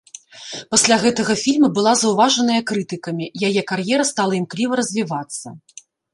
Пасля гэтага фільма была заўважаная крытыкамі, яе кар'ера стала імкліва развівацца.